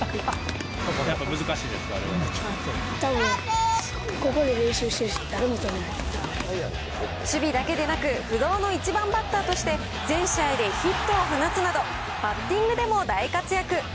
たぶん、ここで練習してる人、守備だけでなく、不動の１番バッターとして、全試合でヒットを放つなど、バッティングでも大活躍。